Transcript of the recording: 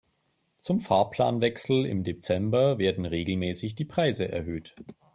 Zum Fahrplanwechsel im Dezember werden regelmäßig die Preise erhöht.